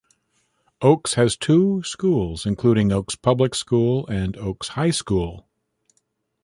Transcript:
Oakes has two schools, including Oakes Public School and Oakes High School.